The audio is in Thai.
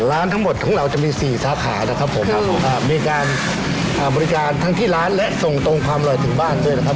ร้านทั้งหมดของเราจะมีสี่สาขานะครับผมครับผมอ่ามีการบริการทั้งที่ร้านและส่งตรงความอร่อยถึงบ้านด้วยนะครับ